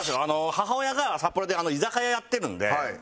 母親が札幌で居酒屋やってるんで。